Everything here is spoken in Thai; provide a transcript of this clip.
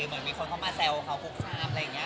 เหมือนมีคนเข้ามาแซวเขาคุกคามอะไรอย่างนี้